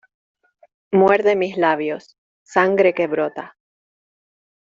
Muerde mis labios. Sangre que brota.